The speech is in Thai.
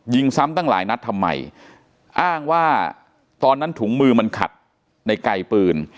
ซ้ำตั้งหลายนัดทำไมอ้างว่าตอนนั้นถุงมือมันขัดในไกลปืน